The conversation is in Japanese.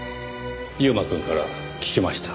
優馬くんから聞きました。